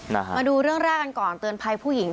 มาดูเรื่องแรกกันก่อนเตือนภัยผู้หญิง